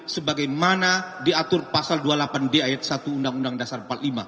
sebagaimana diatur pasal dua puluh delapan d ayat satu undang undang dasar empat puluh lima